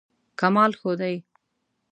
کمال ښودی.